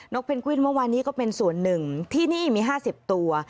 เพนกวินเมื่อวานนี้ก็เป็นส่วนหนึ่งที่นี่มี๕๐ตัว